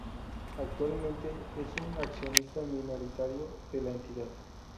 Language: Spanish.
Actualmente es un accionista minoritario de la entidad.